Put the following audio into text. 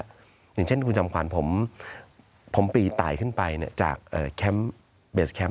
อย่างเช่นคุณจำขวัญผมผมปีตายขึ้นไปเนี่ยจากเอ่อแคมป์